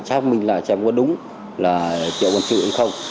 chắc mình xem có đúng là triệu quân sự hay không